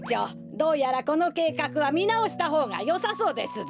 どうやらこのけいかくはみなおしたほうがよさそうですぞ。